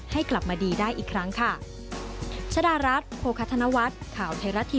ให้กลับมาดีได้อีกครั้งค่ะ